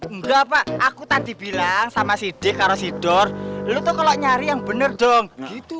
enggak pak aku tadi bilang sama si dekarosidor lu tuh kalau nyari yang bener dong gitu